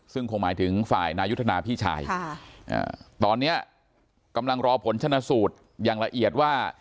ซึ่งคงหมายถึงฝ่ายนายุทธนาพี่ชายตอนนี้กำลังรอผลชนะสูตรอย่างละเอียดว่า